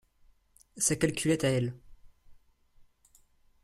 Sa calculette à elle.